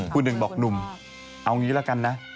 คุณหนึ่งบอกหนุ่มเอางี้ละกันนะ